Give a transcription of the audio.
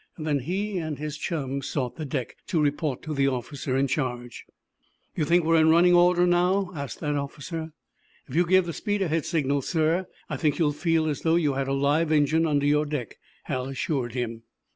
Then he and his chum sought the deck, to report to the officer in charge. "You think we're in running order, now?" asked that officer. "If you give the speed ahead signal, sir, I think you'll feel as though you had a live engine under your deck," Hal assured him.